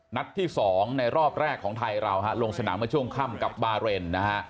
นัดที่๒ในรอบแรกของไทยเราลงสนามช่วงค่ำกับบาเรน